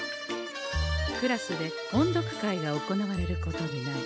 クラスで音読会が行われることになり。